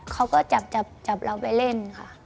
เขาก็จับเราไปเล่นค่ะ